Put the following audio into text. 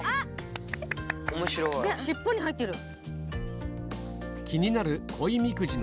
尻尾に入ってる。